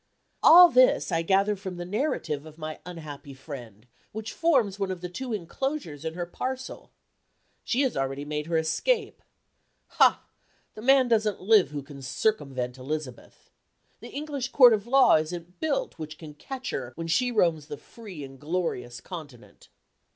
All this I gather from the narrative of my unhappy friend, which forms one of the two inclosures in her parcel. She has already made her escape. Ha! the man doesn't live who can circumvent Elizabeth. The English Court of Law isn't built which can catch her when she roams the free and glorious Continent.